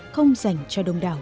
không dành cho đông đảo